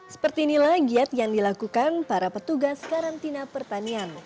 seperti inilah giat yang dilakukan para petugas karantina pertanian